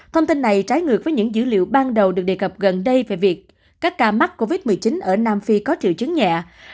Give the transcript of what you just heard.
thông tin này trái ngược với những dữ liệu ban đầu được đề cập gần đây về việc các ca mắc covid một mươi chín ở nam phi có triệu chứng nhẹ